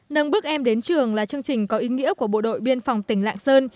nâng bước em đến trường là chương trình có ý nghĩa của bộ đội biên phòng tỉnh lạng sơn